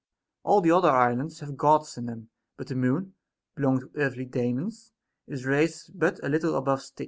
All the other islands have Gods in them ; but the Moon, belonging to earthly Daemons, is raised but a little above Styx.